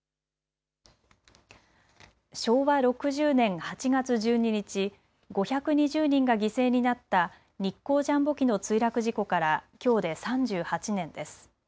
昭和６０年８月１２日、５２０人が犠牲になった日航ジャンボ機の墜落事故からきょうで３８年です。